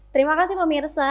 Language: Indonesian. terima kasih pemirsa